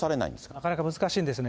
なかなか難しいですね。